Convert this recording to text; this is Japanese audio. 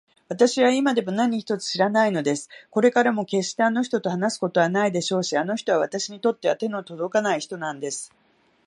わたしは今でも何一つ知らないのです。これからもけっしてあの人と話すことはないでしょうし、あの人はわたしにとっては手のとどかない人なんです。